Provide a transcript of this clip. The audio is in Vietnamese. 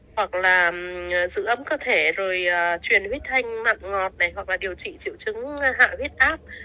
hoặc là giữ ấm cơ thể rồi truyền huyết thanh nặng ngọt này hoặc là điều trị triệu chứng hạ huyết áp